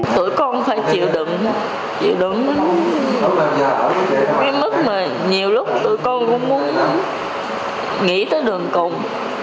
tụi con phải chịu đựng chịu đựng đến cái mức mà nhiều lúc tụi con cũng muốn nghĩ tới đường cùng